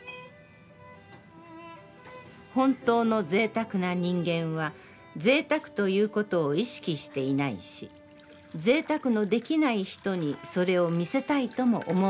「ほんとうの贅沢な人間は贅沢ということを意識していないし、贅沢のできない人にそれを見せたいとも思わないのである。